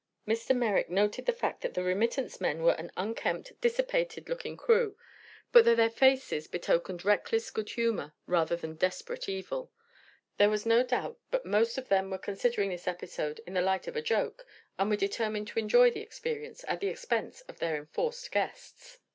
Mr. Merrick noted the fact that the remittance men were an unkempt, dissipated looking crew, but that their faces betokened reckless good humor rather than desperate evil. There was no doubt but most of them were considering this episode in the light of a joke, and were determined to enjoy the experience at the expense of their enforced guests.